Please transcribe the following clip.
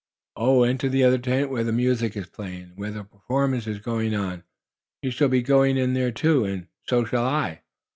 "Oh, into the other tent, where the music is playing and where the performance is going on. You'll soon be going in there too, and so shall I."